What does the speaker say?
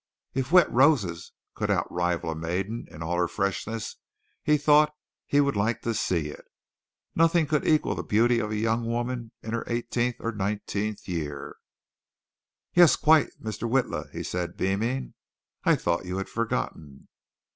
If wet roses could outrival a maiden in all her freshness, he thought he would like to see it. Nothing could equal the beauty of a young woman in her eighteenth or nineteenth year. "Yes, quite, Mr. Witla," he said, beaming. "I thought you had forgotten.